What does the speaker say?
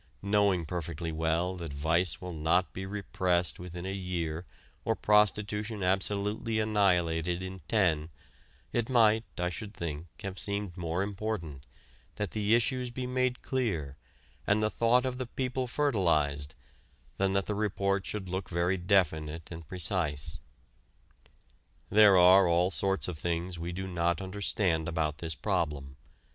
Knowing perfectly well that vice will not be repressed within a year or prostitution absolutely annihilated in ten, it might, I should think, have seemed more important that the issues be made clear and the thought of the people fertilized than that the report should look very definite and precise. There are all sorts of things we do not understand about this problem.